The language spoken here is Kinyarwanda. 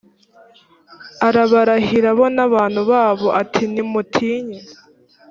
arabarahira bo n abantu babo ati ntimutinye